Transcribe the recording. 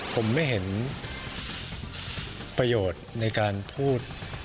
ผมไม่เห็นประโยชน์ในการพูด